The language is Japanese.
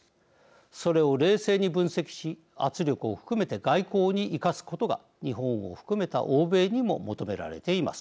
それを冷静に分析し圧力を含めて外交に生かすことが日本を含めた欧米にも求められています。